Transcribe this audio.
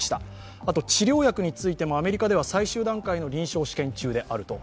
あと治療薬についてもアメリカでは最終段階の臨床治験中であると。